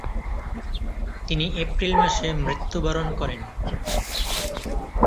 তিনি এপ্রিল মাসে মৃত্যুবরণ করেন।